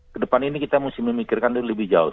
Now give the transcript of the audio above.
kedepan ini kita mesti memikirkan dulu lebih jauh